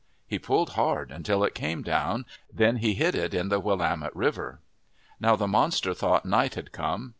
He pulled hard until it came down. Then he hid it in the Willamette River. Now the monster thought night had come.